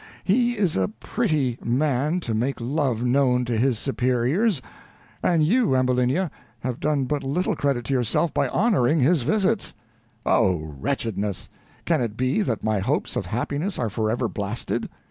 He is a pretty man to make love known to his superiors, and you, Ambulinia, have done but little credit to yourself by honoring his visits. Oh, wretchedness! can it be that my hopes of happiness are forever blasted!